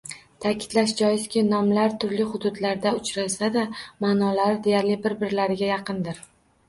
Ta’kidlash joizki, nomlar turli hududlarda uchrasa-da, ma’nolari deyarli bir-birlariga yaqindir.